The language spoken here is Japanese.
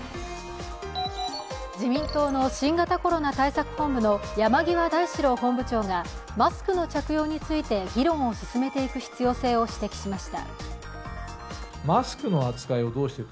自民党の新型コロナ対策本部の山際大志郎本部長がマスクの着用について議論を進めていく必要性を指摘しました。